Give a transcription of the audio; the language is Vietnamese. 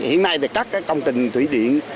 hiện nay thì các cái công trình thủy điện